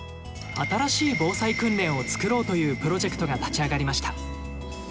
新しい防災訓練を作ろうというプロジェクトが立ち上がりました。